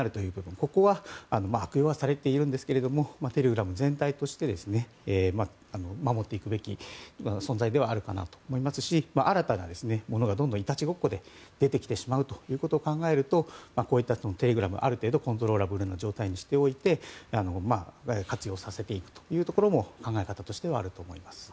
ここは悪用はされていますがテレグラム全体として守っていくべき存在ではあるかなと思いますし新たなものがどんどんいたちごっこで出てきてしまうことを考えるとこういったテレグラムをある程度、コントロールできるような状態にして活用させていくというところも考え方としてはあると思います。